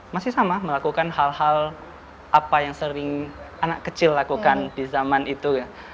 masih sama melakukan hal hal apa yang sering anak kecil lakukan di zaman itu ya